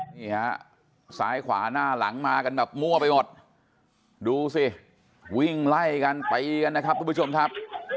นี่ฮะซ้ายขวาหน้าหลังมากันแบบมั่วไปหมดดูสิวิ่งไล่กันไปกันนะครับทุกผู้ชมครับ